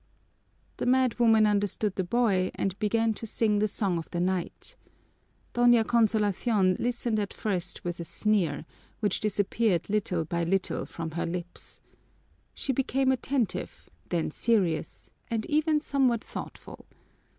The madwoman understood the boy and began to sing the Song of the Night. Doña Consolacion listened at first with a sneer, which disappeared little by little from her lips. She became attentive, then serious, and even somewhat thoughtful.